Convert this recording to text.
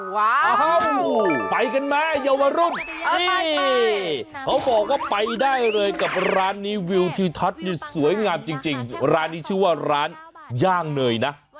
วิวที่ทัศน์สวยงามจริงร้านนี้ชื่อว่าร้านย่างเนิ่นน้ำ